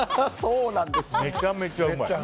めちゃめちゃうまい！